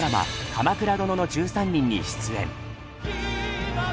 「鎌倉殿の１３人」に出演。